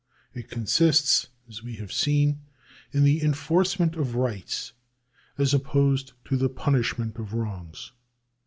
It con sists, as we have seen, in the enforcement of rights, as opposed to the punishment of wrongs.